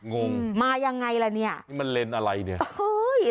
งงมายังไงแล้วนี่อ่ะนี่มันเลนอะไรเนี่ย